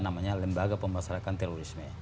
namanya lembaga pemasarkan terorisme